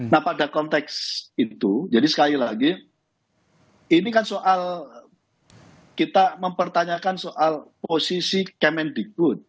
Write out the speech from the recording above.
nah pada konteks itu jadi sekali lagi ini kan soal kita mempertanyakan soal posisi kemendikbud